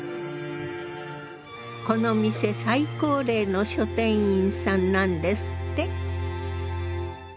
この店最高齢の書店員さんなんですって。